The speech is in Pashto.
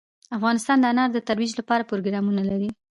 افغانستان د انار د ترویج لپاره پروګرامونه لري.